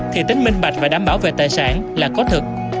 thì tính minh bạch và đảm bảo về tài sản là có thực